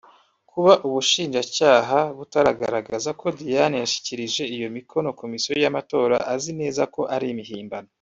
Kuba Ubushinjacyaha butagaragaza ko Diane yashyikirije iyo mikono Komisiyo y’Amatora azi neza ko ari imihimbano